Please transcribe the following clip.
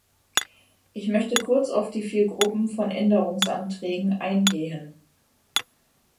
Ich möchte kurz auf die vier Gruppen von Änderungsanträgen eingehen.